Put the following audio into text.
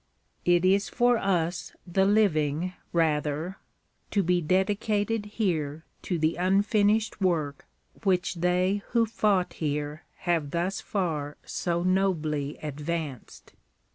It is for us the living, rather, to be dedicated here to the unfinished work which they who fought here have thus far so nobly advanced.